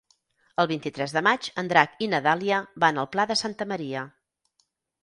El vint-i-tres de maig en Drac i na Dàlia van al Pla de Santa Maria.